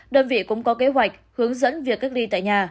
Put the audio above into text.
đơn vị cũng có kế hoạch hướng dẫn việc cách ly tại nhà